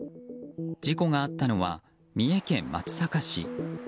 事故があったのは三重県松阪市。